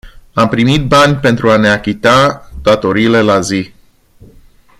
Am primit bani pentru a ne achita datoriile la zi.